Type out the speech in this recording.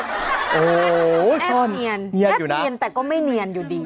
แอบเนียนแอบเนียนแต่ก็ไม่เนียนอยู่ดิ